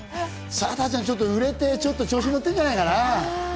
貞ちゃん、売れてちょっと調子に乗ってるんじゃないかな？